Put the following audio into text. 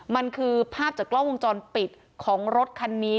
มันคือภาพจากกล้องวงจรปิดของรถคันนี้